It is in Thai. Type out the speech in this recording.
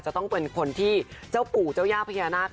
จะต้องเป็นคนที่เจ้าปู่เจ้าย่าพญานาค